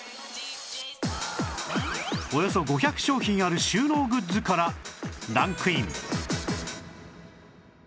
およそ５００商品ある収納グッズからランクイン